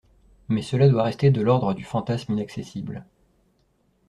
Mais cela doit rester de l’ordre du fantasme inaccessible.